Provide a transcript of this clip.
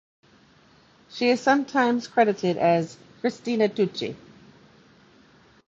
She is sometimes credited as 'Christina Tucci'.